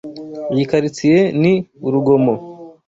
Iyi quartier ni urugomo.